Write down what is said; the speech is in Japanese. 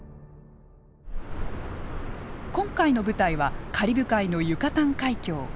今回の舞台はカリブ海のユカタン海峡。